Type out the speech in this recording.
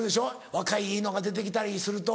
若いいいのが出て来たりすると。